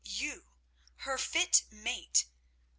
You, her fit mate?